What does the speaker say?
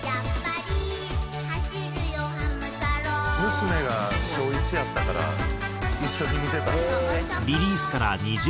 「娘が小１やったから一緒に見てた」